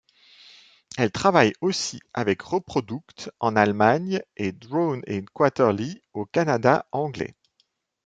Elle travaille aussi avec Reprodukt en Allemagne et Drawn & Quarterly au Canada anglais.